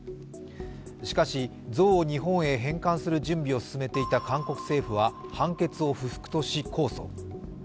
しかし、像を日本へ返還する準備を進めていた韓国政府は、判決を不服とし控訴。